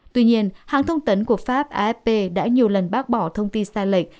tuy nhiên hãng thông tấn của pháp afp đã nhiều lần bác bỏ thông tin sai lệch